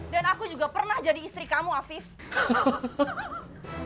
dan aku juga pernah jadi istri kamu hafidz